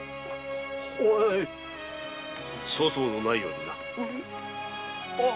粗相のないようにな。